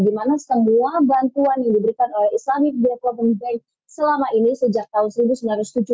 di mana semua bantuan yang diberikan oleh islamic development bank selama ini sejak tahun seribu sembilan ratus tujuh puluh